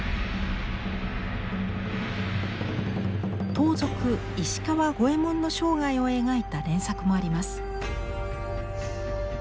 盗賊石川五右衛門の生涯を描いた連作もあります。